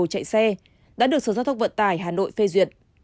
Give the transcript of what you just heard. chạy xe đã được sở giao thông vận tải hà nội phê duyệt